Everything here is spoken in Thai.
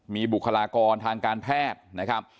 มีบุคลากรทางการแพทย์นะครับ